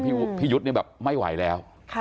พี่ยุทธ์ไม่ไหวแล้ว